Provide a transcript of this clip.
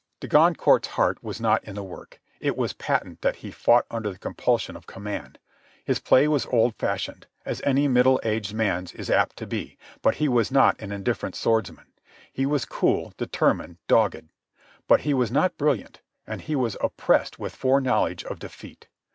De Goncourt's heart was not in the work. It was patent that he fought under the compulsion of command. His play was old fashioned, as any middle aged man's is apt to be, but he was not an indifferent swordsman. He was cool, determined, dogged. But he was not brilliant, and he was oppressed with foreknowledge of defeat.